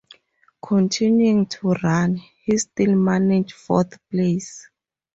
Continuing to run, he still managed fourth place.